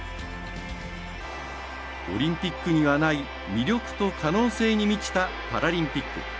オリンピックにはない魅力と可能性に満ちたパラリンピック。